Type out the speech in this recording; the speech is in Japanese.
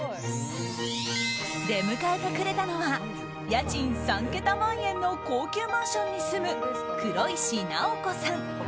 出迎えてくれたのは家賃３桁万円の高級マンションに住む黒石奈央子さん。